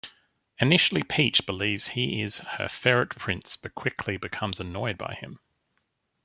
Initially Peach believes he is her ferret prince, but quickly becomes annoyed by him.